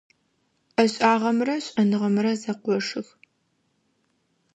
Ӏэшӏагъэмрэ шӏэныгъэмрэ зэкъошых.